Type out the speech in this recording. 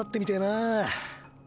なあ